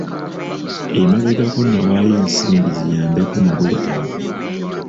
Emabegako nawaayo ensimbi ziyambeko mu bwetaavu.